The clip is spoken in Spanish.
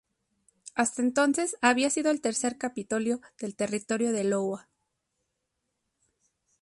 Hasta entonces había sido el tercer capitolio del Territorio de Iowa.